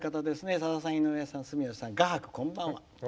「さださん、住吉さん、井上さん画伯、こんばんは。